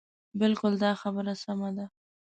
بلکل دا خبره سمه ده.